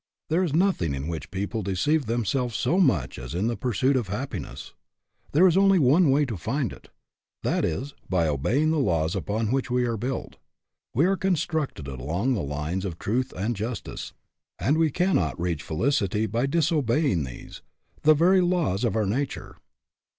There is nothing in which people deceive themselves so much as in the pursuit of happi ness. There is only one way to find it that is, by obeying the laws upon which we are built. We are constructed along the lines of truth and justice, and we cannot reach felicity by disobeying these, the very laws of our nature.